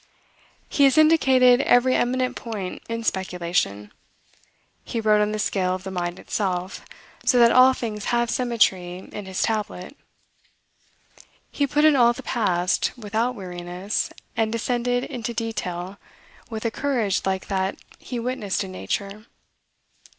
He has indicated every eminent point in speculation. He wrote on the scale of the mind itself, so that all things have symmetry in his tablet. He put in all the past, without weariness, and descended into detail with a courage like that he witnessed in nature.